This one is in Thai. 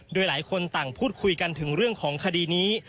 โดยหลายคนต่างพูดคุยกันถึงเรื่องของคดีนี้